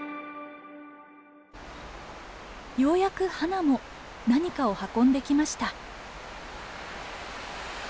ようやくハナも何かを運んできました。